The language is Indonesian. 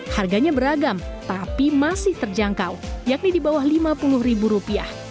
harganya beragam tapi masih terjangkau yakni di bawah lima puluh ribu rupiah